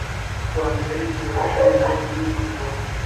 په قرآن کريم کې ويل شوي ناهيلي مه کوئ.